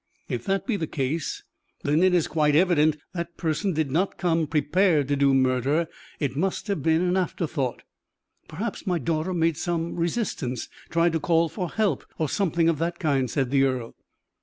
"If that be the case, then it is quite evident the person did not come prepared to do murder! it must have been an afterthought." "Perhaps my daughter made some resistance tried to call for help, or something of that kind," said the earl.